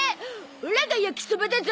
オラが焼きそばだゾ！